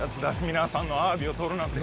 皆さんのアワビを取るなんて。